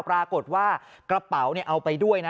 ปรากฏว่ากระเป๋าเอาไปด้วยนะ